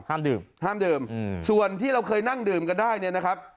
ดื่มห้ามดื่มส่วนที่เราเคยนั่งดื่มกันได้เนี่ยนะครับ